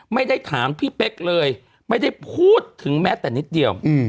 ไม่ได้ถามพี่เป๊กเลยไม่ได้พูดถึงแม้แต่นิดเดียว